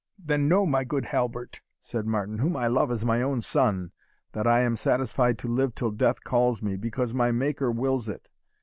"Then know, my good Halbert," said Martin, "whom I love as my own son, that I am satisfied to live till death calls me, because my Maker wills it.